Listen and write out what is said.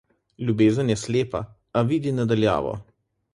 Ljubezen je slepa, a vidi na daljavo.